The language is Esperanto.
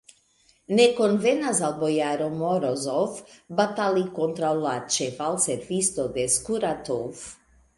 Ne konvenas al bojaro Morozov batali kontraŭ la ĉevalservisto de Skuratov!